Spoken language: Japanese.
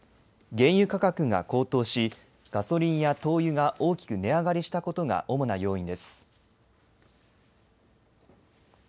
原油価格が高騰しガソリンや灯油が大きく値上がりしたことが主な要因です。